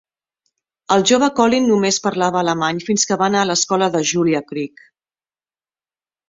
El jove Colin només parlava alemany fins que va anar a l'escola de Julia Creek.